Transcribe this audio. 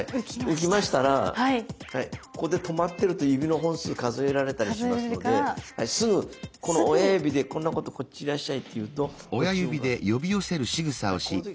浮きましたらここで止まってると指の本数数えられたりしますのですぐこの親指でこっちいらっしゃいって言うとこっちへ動かす。